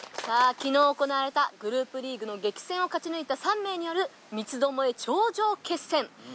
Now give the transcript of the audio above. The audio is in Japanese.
さあ昨日行われたグループリーグの激戦を勝ち抜いた３名による三つ巴頂上決戦。